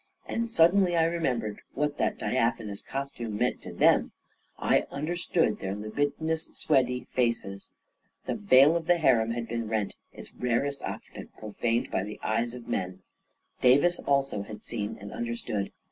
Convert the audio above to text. And suddenly I remembered what that diaphanous costume meant to them; I un derstood their libidinous, sweaty faces ... The veil of the harem had been rent — its rarest occupant profaned by the eyes of men ... Davis had also seen and understood.